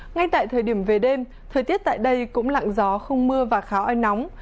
ngay tại thời điểm về đêm thời tiết tại đây cũng lặng gió không mưa và khá oi nóng